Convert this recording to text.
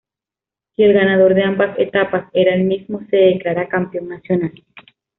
Si el ganador de ambas etapas era el mismo, se declaraba campeón nacional.